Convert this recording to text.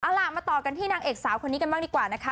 เอาล่ะมาต่อกันที่นางเอกสาวคนนี้กันบ้างดีกว่านะคะ